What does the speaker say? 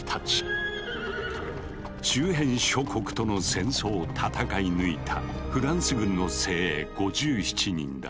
周辺諸国との戦争を戦い抜いたフランス軍の精鋭５７人だ。